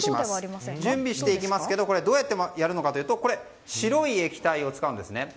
準備していきますがどうやっていくかというと白い液体を使うんですね。